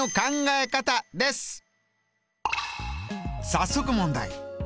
早速問題。